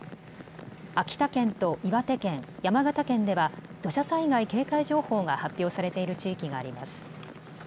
秋田県と岩手県、山形県では土砂災害警戒情報が発表されている地域があります。